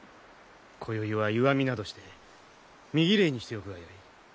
こよいは湯あみなどして身ぎれいにしておくがよい。